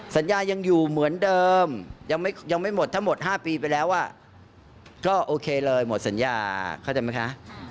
สัญญายังอยู่เหมือนเดิมยังไม่หมดทั้งหมด๕ปีไปแล้วก็โอเคเลยหมดสัญญาเข้าใจไหมคะ